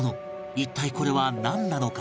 一体これはなんなのか？